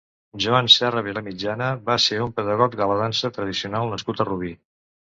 Joan Serra Vilamitjana va ser un pedagog de la dansa tradicional nascut a Rubí.